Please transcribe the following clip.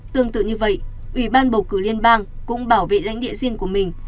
tương tự như vậy ủy ban bầu cử liên bang cũng bảo vệ lãnh địa riêng của mình